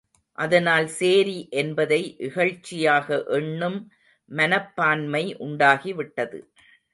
அதனால் சேரி என்பதை இகழ்ச்சியாக எண்ணும் மனப்பான்மை உண்டாகிவிட்டது.